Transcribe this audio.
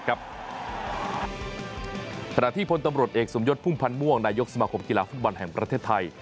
ขณะที่พลตำรวจเอกสมยศพุ่มพันธ์ม่วงนายกสมาคมกีฬาฟุตบอลแห่งประเทศไทย